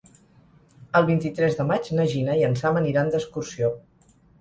El vint-i-tres de maig na Gina i en Sam aniran d'excursió.